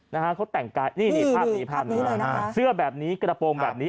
นี่ภาพนี้เลยนะฮะเสื้อแบบนี้กระโปรงแบบนี้